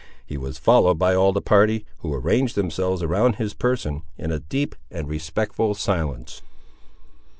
He was followed by all the party, who arranged themselves around his person, in a deep and respectful silence.